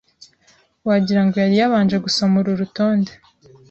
wagirango yari yabanje gusoma uru rutonde.